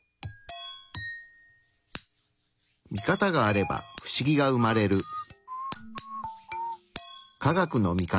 ミカタがあれば不思議が生まれる。